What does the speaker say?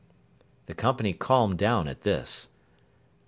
The company calmed down at this.